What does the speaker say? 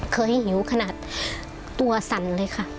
เคยหิวขนาดตัวสั่นเลยค่ะ